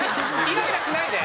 イライラしないで！